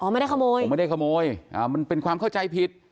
ไม่ได้ขโมยผมไม่ได้ขโมยมันเป็นความเข้าใจผิด